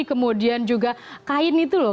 kemudian juga kain itu loh